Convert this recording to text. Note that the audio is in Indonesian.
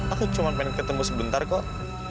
aku cuma pengen ketemu sebentar kok